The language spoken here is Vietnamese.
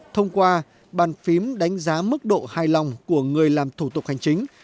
thông qua bàn phím đánh giá mức độ hài lòng của người làm thủ tục hành chính